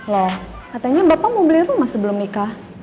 loh katanya bapak mau beli rumah sebelum nikah